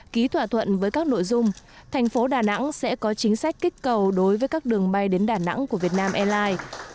ký thỏa thuận với các nội dung thành phố đà nẵng sẽ có chính sách kích cầu đối với các đường bay đến đà nẵng của việt nam airlines